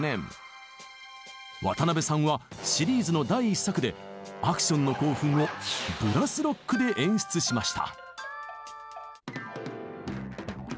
渡辺さんはシリーズの第１作でアクションの興奮をブラス・ロックで演出しました。